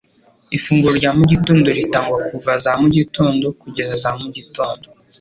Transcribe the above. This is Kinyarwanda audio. Ifunguro rya mu gitondo ritangwa kuva za mugitondo kugeza za mugitondo